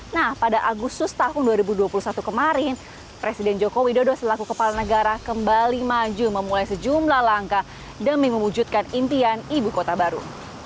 nah pada agustus tahun dua ribu dua puluh satu kemarin presiden joko widodo selaku kepala negara kembali maju memulai sejumlah langkah demi mewujudkan impian ibu kota baru